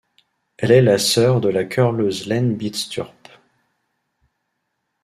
Elle est la sœur de la curleuse Lene Bidstrup.